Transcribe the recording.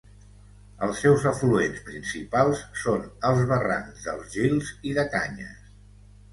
Els seus afluents principals són els barrancs dels Gils i de Canyes.